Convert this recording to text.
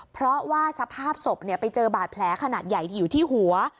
เพราะว่าสภาพศพไปเจอบาดแผลขนาดใหญ่อยู่ที่หัว